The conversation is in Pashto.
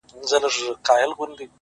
څه کيفيت دی چي حساب چي په لاسونو کي دی _